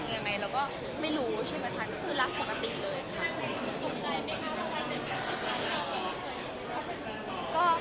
ไงเราก็ไม่รู้ใช่ไหมคะก็คือรักปกติเลยค่ะ